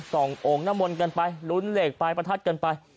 ส่องโอ่งนมลกันไปลุ้นเลขไปประทัดกันไป